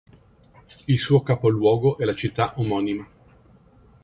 Il suo capoluogo è la città omonima.